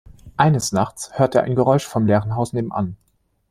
Eines Nachts hört er ein Geräusch vom leeren Haus nebenan.